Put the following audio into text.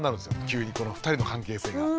急にこの２人の関係性が。